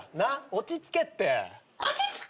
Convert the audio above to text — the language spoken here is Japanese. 落ち着けって。